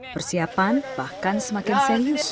persiapan bahkan semakin serius